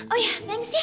oh ya thanks ya